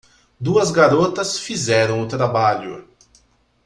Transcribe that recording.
Duas garotas fizeram o trabalho.